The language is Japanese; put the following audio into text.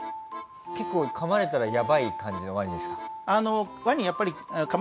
結構噛まれたらやばい感じのワニですか？